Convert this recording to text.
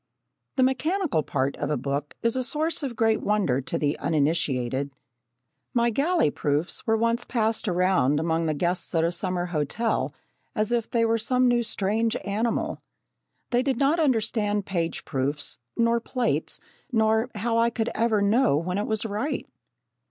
The mechanical part of a book is a source of great wonder to the uninitiated. My galley proofs were once passed around among the guests at a summer hotel as if they were some new strange animal. They did not understand page proofs nor plates, nor how I could ever know when it was right.